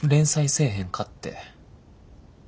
せえへんかって。